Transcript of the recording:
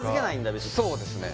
別にそうですね